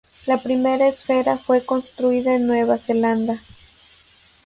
La primera esfera fue construida en Nueva Zelanda.